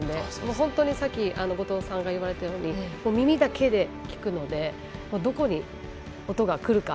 本当にさっき後藤さんが言われたように耳だけで聞くのでどこに音が来るか。